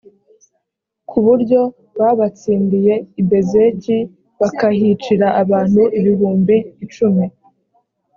ku buryo babatsindiye i bezeki bakahicira abantu ibihumbi icumi